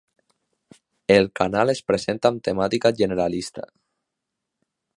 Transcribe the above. El canal es presenta amb temàtica generalista.